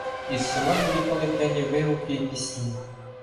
Із села долітали п'яні вигуки і пісні.